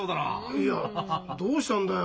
いやどうしたんだよ？